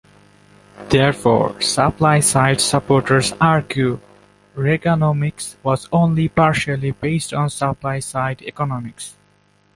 Therefore, supply-side supporters argue, "Reaganomics" was only partially based on supply-side economics.